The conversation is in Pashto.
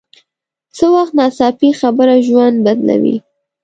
څه وخت ناڅاپي خبره ژوند بدلوي